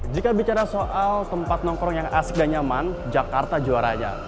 jika bicara soal tempat nongkrong yang asik dan nyaman jakarta juaranya